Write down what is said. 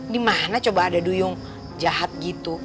dimana coba ada duyung jahat gitu